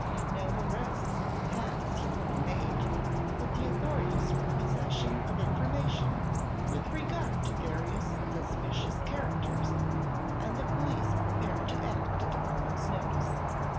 No arrests had as yet been made, but the authorities were in possession of information with regard to various suspicious characters, and the police prepared to act at a moment's notice.